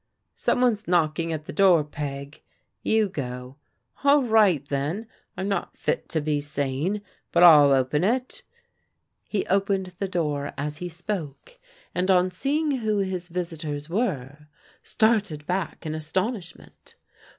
" Some one's knock ing at the door, Peg. You go. — All right then. — ^I'm not fit to be seen, but I'll open it." He opened the door as he spoke, and on seeing who his visitors were, started back in astonishment.